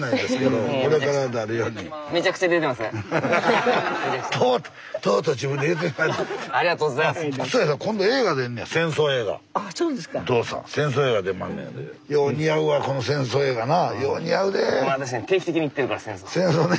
もう私ね